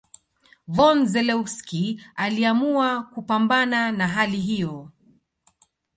Von Zelewski aliamua kupambana na hali hiyo